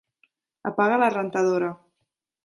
Apaga la rentadora.